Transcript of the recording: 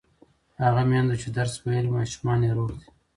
هغه میندو چې درس ویلی، ماشومان یې روغ دي.